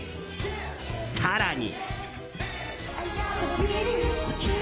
更に。